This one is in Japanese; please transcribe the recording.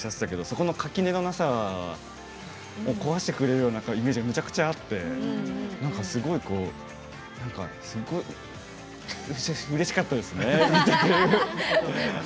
そこの垣根のなさを壊してくれるイメージがむちゃくちゃあってすごい、なんかすごいうれしかったですね。